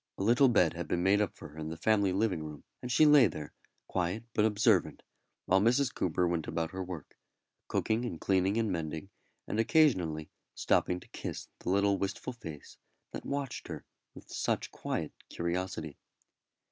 A little bed had been made up for her in the family living room, and she lay there, quiet but observant, while Mrs. Coomber went about her work cooking and cleaning and mending, and occasionally stopping to kiss the little wistful face that watched her with such quiet curiosity.